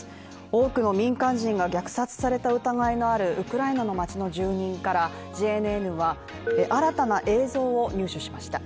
多くの民間人が虐殺された疑いのあるウクライナの街の住民からＪＮＮは新たな映像を入手しました。